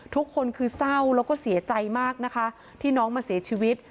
ทุกคนคือเศร้าแล้วก็เสียใจมากนะคะที่น้องมาเสียชีวิต